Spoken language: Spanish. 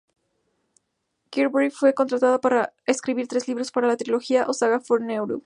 Greg Bear fue contratado para escribir tres libros para la Trilogía o Saga Forerunner.